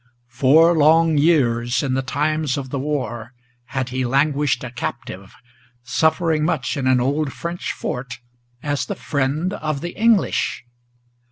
Four long years in the times of the war had he languished a captive, Suffering much in an old French fort as the friend of the English.